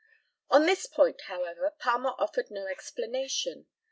On this point, however, Palmer offered no explanation.